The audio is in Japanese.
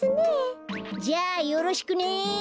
ヘヘじゃあよろしくね。